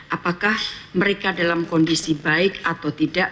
apakah mereka dalam kondisi baik atau tidak